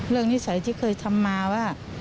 นิสัยที่เคยทำมาว่า